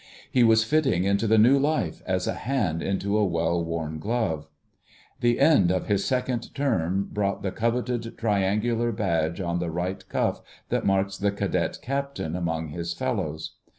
He was fitting into the new life as a hand into a well worn glove. The end of his second term brought the coveted triangular badge on the right cuff that marks the Cadet Captain among his fellows.